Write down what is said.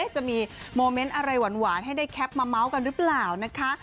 จะมีโมเมนต์อะไรหวานให้ได้แคปมาเม้ากันหรือเปล่านะคะ